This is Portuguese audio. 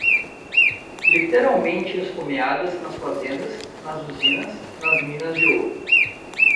literalmente esfomeadas nas fazendas, nas usinas, nas minas de ouro